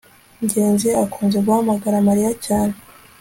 ngenzi akunze guhamagara mariya cyane